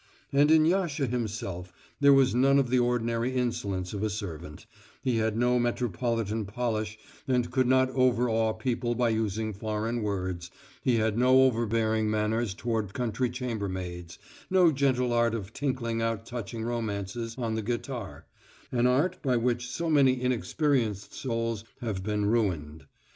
And in Yasha himself there was none of the ordinary insolence of a servant he had no metropolitan polish and could not overawe people by using foreign words, he had no overbearing manners towards country chambermaids, no gentle art of tinkling out touching romances on the guitar, an art by which so many inexperienced souls have been ruined.